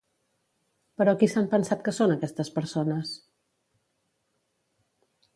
Però qui s'han pensat que són aquestes persones?